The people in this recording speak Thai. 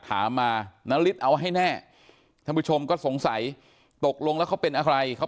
ถามมานาริสเอาให้แน่ท่านผู้ชมก็สงสัยตกลงแล้วเขาเป็นอะไรเขา